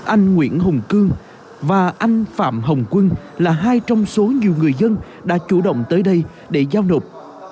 anh nguyễn hùng cương và anh phạm hồng quân là hai trong số nhiều người dân đã chủ động tới đây để giao nộp